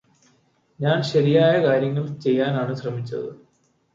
ഞാന് ശരിയായ കാര്യങ്ങള് ചെയ്യാനാണ് ശ്രമിച്ചത്